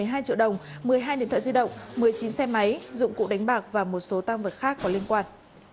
một mươi hai triệu đồng một mươi hai điện thoại di động một mươi chín xe máy dụng cụ đánh bạc và một số tam vật khác có liên quan